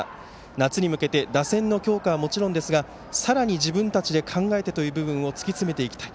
夏に向けて打線の強化はもちろんですがさらに自分たちで考えてという部分を突き詰めていきたい。